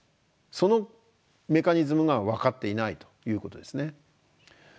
そのメカニズムが分かっていないということですね。